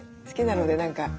好きなので何か。